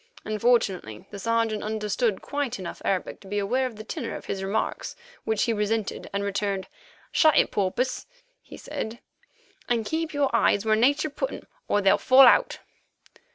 Unfortunately the Sergeant understood quite enough Arabic to be aware of the tenor of his remarks, which he resented and returned: "Shut it, Porpoise," he said, "and keep your eyes where Nature put 'em, or they'll fall out."